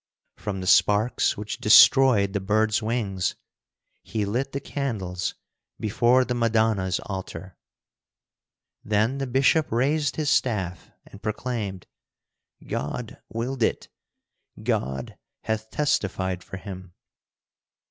From the sparks which destroyed the bird's wings he lit the candles before the Madonna's Altar. Then the bishop raised his staff and proclaimed: "God willed it! God hath testified for him!"